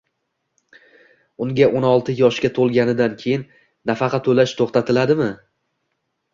unga o'n olti yoshga to‘lganidan keyin nafaqa to‘lash to‘xtatiladimi?